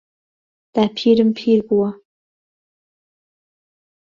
داپیرم پیر بووە.